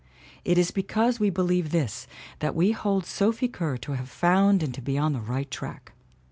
It is because we be lieve this that we hold Sophie Kerr to have found and to be on the right track.